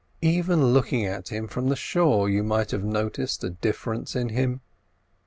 Even looking at him from the shore you might have noticed a difference in him.